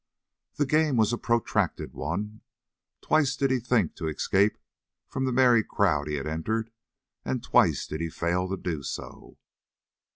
The game was a protracted one. Twice did he think to escape from the merry crowd he had entered, and twice did he fail to do so.